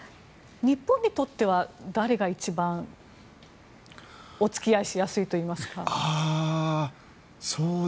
日本にとっては誰が一番お付き合いしやすいといいますか。